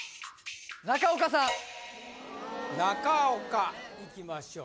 中岡さん中岡いきましょう